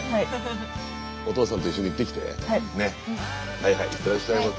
はいはいいってらっしゃいませ。